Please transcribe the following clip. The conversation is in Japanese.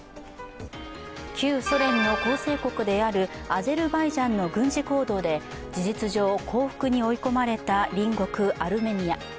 旧ソ連の構成国であるアゼルバイジャンの軍事行動で事実上、降伏に追い込まれた隣国アルメニア。